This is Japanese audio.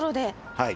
はい。